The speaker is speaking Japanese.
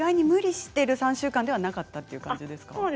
無理している３週間ではなかったという感じですか？